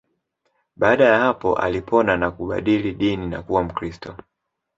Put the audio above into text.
Baada ya hapo alipona na kubadili dini na kuwa Mkristo